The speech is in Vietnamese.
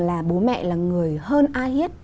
là bố mẹ là người hơn ai hết